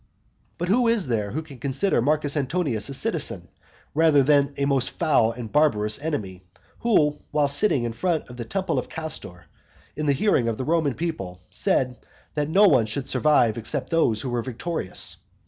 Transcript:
VIII. But who is there who can consider Marcus Antonius a citizen, rather than a most foul and barbarous enemy, who, while sitting in front of the temple of Castor, in the hearing of the Roman people, said that no one should survive except those who were victorious?